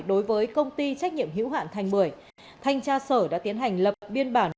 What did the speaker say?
đối với công ty trách nhiệm hữu hạn thành một mươi thành tra sở đã tiến hành lập biên bản